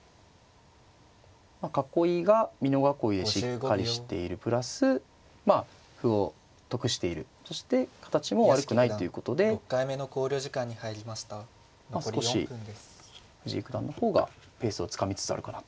囲いが美濃囲いでしっかりしているプラスまあ歩を得しているそして形も悪くないっていうことでまあ少し藤井九段の方がペースをつかみつつあるかなと。